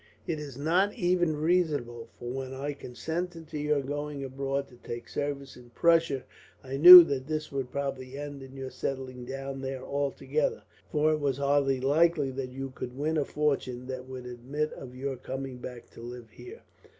It is not even reasonable, for when I consented to your going abroad to take service in Prussia, I knew that this would probably end in your settling down there altogether; for it was hardly likely that you could win a fortune that would admit of your coming back to live here.